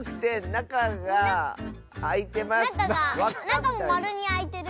なかがなかもまるにあいてる。